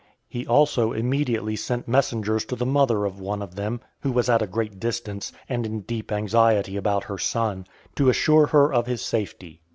He also immediately sent messengers to the mother of one of them, who was at a great distance, and in deep anxiety about her son, to assure her of his safety.